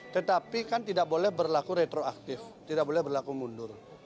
tetapi kan tidak boleh berlaku retroaktif tidak boleh berlaku mundur